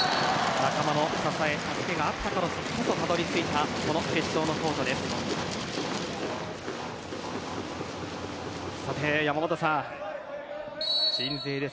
仲間の支え助けがあったからこそたどり着いたこの決勝のコートです。